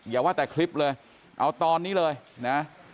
อย่าว่าแต่คลิปเลยเอาตอนนี้เลยนะ